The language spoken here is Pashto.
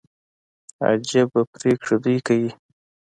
عجبه پرېکړي دوى کيي.